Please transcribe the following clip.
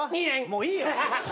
もういい。